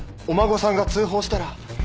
お孫さんが通報したら。